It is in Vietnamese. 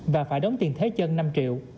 và phải đóng tiền thế chân năm triệu